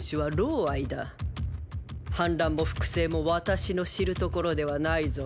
反乱も複製も私の知るところではないぞ。